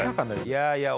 「いやいや」